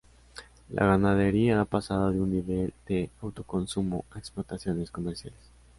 La ganadería ha pasado de un nivel de autoconsumo a explotaciones comerciales.